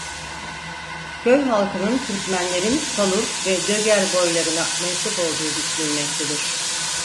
Köy halkının Türkmenlerin Salur ve Döger boylarına mensup olduğu düşünülmektedir.